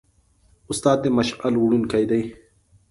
استاد د مشعل وړونکی دی.